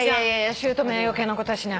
姑は余計なことはしない方がいい。